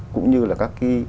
cũng như là các